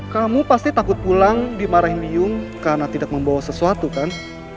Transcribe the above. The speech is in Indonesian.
kamu pasti takut pulang dimarahin liyung karena tidak membawa sesuatu kan